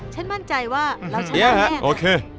ฉันมั่นใจว่าเราจะแน่นยังไงโอเค